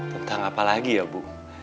tentang apa lagi ya bu